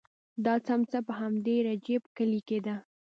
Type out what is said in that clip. دا څمڅه په همدې رجیب کلي کې ده.